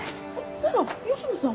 あら吉野さん。